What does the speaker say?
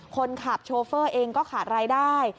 คนขับโชเฟอร์เองก็ขาดรายได้